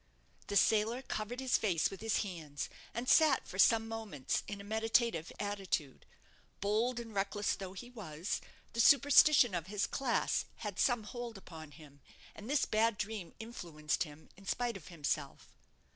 The sailor covered his face with his hands, and sat for some moments in a meditative attitude. Bold and reckless though he was, the superstition of his class had some hold upon him; and this bad dream influenced him, in spite of himself.